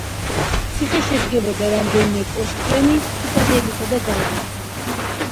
ციხე შედგებოდა რამდენიმე კოშკიანი ციტადელისა და გალავნისაგან.